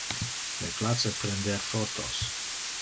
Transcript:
Me place prender photos.